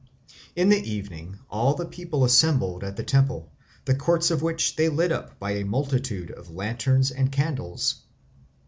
In the evening all the people assembled at the temple, the courts of which they lit up by a multitude of lanterns and candles.